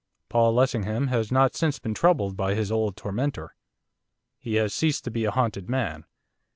Paul Lessingham has not since been troubled by his old tormentor. He has ceased to be a haunted man.